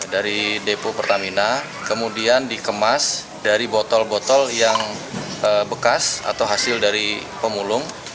dari depo pertamina kemudian dikemas dari botol botol yang bekas atau hasil dari pemulung